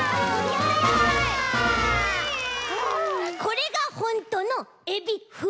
これがホントのエビフライ！